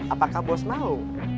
apakah bos mau